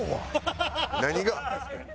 何が？